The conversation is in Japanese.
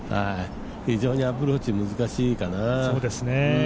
非常にアプローチ難しいかな。